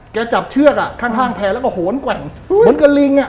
จับเชือกอ่ะข้างข้างแพร่แล้วก็โหนแกว่งเหมือนกับลิงอ่ะ